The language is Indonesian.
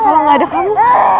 kalau gak ada kamu